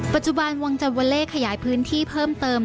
ปัจจุบันวงจันวาเล่ขยายพื้นที่เพิ่มเติม